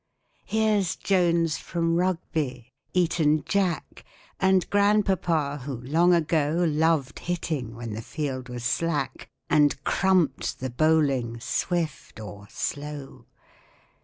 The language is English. Here's Jones from Rugby, Eton Jack, And Grandpapa who, long ago, Loved hitting when the Field was slack, And crumped the bowling, swift or slow!